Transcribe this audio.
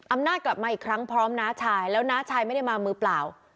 อำนาจกลับมาอีกครั้งพร้อมน้าชายแล้วน้าชายไม่ได้มามือเปล่า